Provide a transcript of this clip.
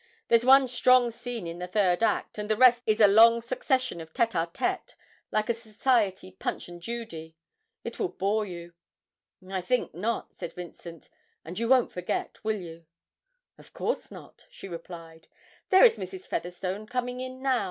There's one strong scene in the third act, and the rest is a long succession of tête à tête like a society "Punch and Judy." It will bore you.' 'I think not,' said Vincent, 'and you won't forget, will you?' 'Of course not,' she replied. 'There is Mrs. Featherstone coming in now.